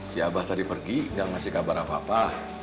si abah tadi pergi gak ngasih kabar apa apa